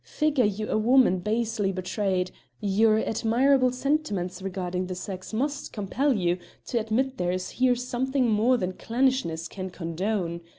"Figure you a woman basely betrayed; your admirable sentiments regarding the sex must compel you to admit there is here something more than clannishness can condone.